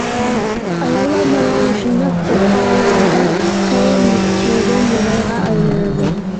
ئاياللار مانا مۇشۇنداق جاپالاردا قېرىپ مۈكچىيىدۇ، مومايغا ئايلىنىدۇ.